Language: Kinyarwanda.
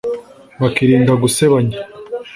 bakirinda gusebanya